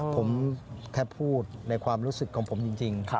ผมแค่พูดในความรู้สึกของผมจริง